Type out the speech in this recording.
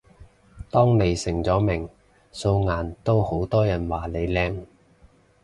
當你成咗名，素顏都好多人話你靚